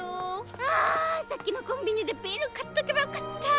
さっきのコンビニでビール買っとけばよかった！